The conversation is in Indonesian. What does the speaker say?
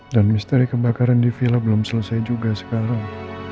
dan misteri kebakaran di villa belum selesai juga sekarang